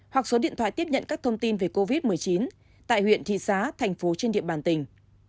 hoặc số điện thoại tiếp nhận các thông tin về covid một mươi chín tại huyện thị xã thành phố trên địa bàn tỉnh